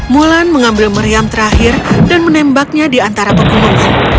mulan mengambil meriam terakhir dan menembaknya di antara pegunungan